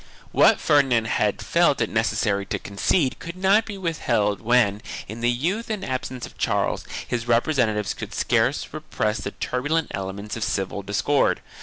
What Ferdinand had felt it necessary to concede could not be withheld when, in the youth and absence of Charles, his repre sentatives could scarce repress the turbulent elements of civil discord.